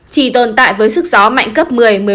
chỉ tồn tại với sức gió mạnh cấp một mươi một mươi một